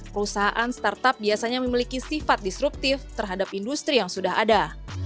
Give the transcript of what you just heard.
perusahaan startup biasanya memiliki sifat disruptif terhadap industri yang sudah ada